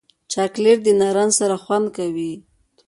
چاکلېټ د نارنج سره خوند کوي.